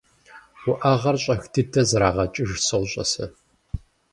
- Уӏэгъэр щӏэх дыдэ зэрагъэкӏыж сощӏэ сэ.